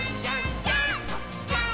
ジャンプ！！」